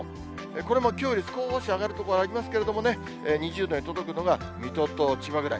これもきょうよりすこーし上がる所もありますけどね、２０度に届くのが水戸と千葉ぐらい。